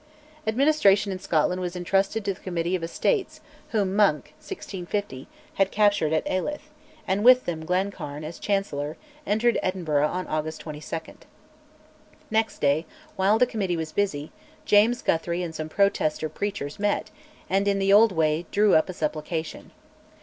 Administration in Scotland was intrusted to the Committee of Estates whom Monk (1650) had captured at Alyth, and with them Glencairn, as Chancellor, entered Edinburgh on August 22. Next day, while the Committee was busy, James Guthrie and some Protester preachers met, and, in the old way, drew up a "supplication."